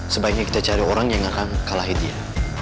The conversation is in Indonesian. sebaiknya kita cari orang yang akan kalahi dia